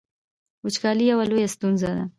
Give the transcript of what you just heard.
وچکالي یوه لویه ستونزه ده